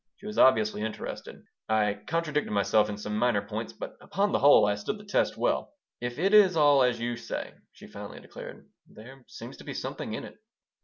She was obviously interested. I contradicted myself in some minor points, but, upon the whole, I stood the test well "If it is all as you say," she finally declared, "there seems to be something in it."